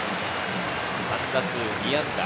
３打数２安打。